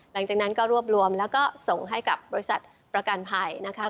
หลังจากนั้นก็รวบรวมแล้วก็ส่งให้กับบริษัทประกันภัยนะคะ